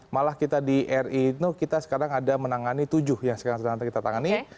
malah kita di ri itu kita sekarang ada menangani tujuh yang sekarang sedang kita tangani